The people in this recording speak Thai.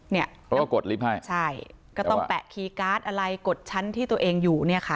เนี้ยก็ต้องแปะคีย์การ์ดอะไรกดชั้นที่ตัวเองอยู่เนี่ยค่ะ